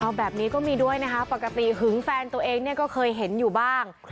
เอาแบบนี้ก็มีด้วยนะคะปกติหึงแฟนตัวเองเนี่ยก็เคยเห็นอยู่บ้าง